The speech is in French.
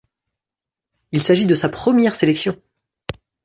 Il s'agit de sa première sélection.